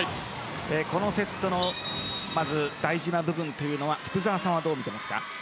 このセットの大事な部分というのは福澤さんはどう見ていますか？